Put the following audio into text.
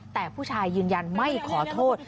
แต่ผู้ชายยืนยันไม่ขอโทษ